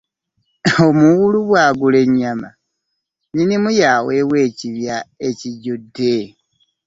Omuwulu bwagula ennyama nnyinimu yaaweebwa ekibya ekijjudde.